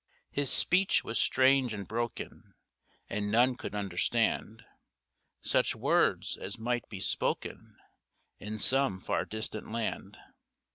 His speech was strange and broken, And none could understand, Such words as might be spoken In some far distant land.